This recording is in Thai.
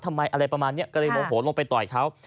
ทำไมอะไรประมาณนี้ก็เลยโมโหลงไปต่อยเขา